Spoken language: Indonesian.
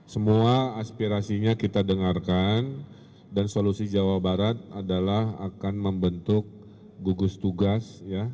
semua aspirasinya kita dengarkan dan solusi jawa barat adalah akan membentuk gugus tugas